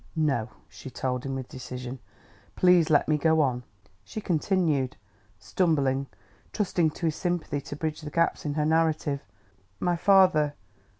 "No," she told him with decision. "Please let me go on...." She continued, stumbling, trusting to his sympathy to bridge the gaps in her narrative. "My father